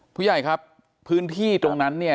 ผู้ใหญ่ครับพื้นที่ตรงนั้นเนี่ย